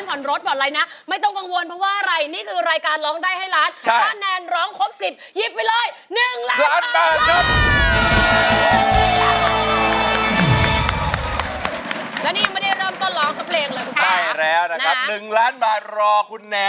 ๑มูลค่า๓๐๐๐บาทพร้อมแล้วจ๊ะกล้องเดี๋ยวลืมนะครับข้างล่างพร้อมไม่ได้